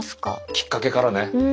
きっかけからね。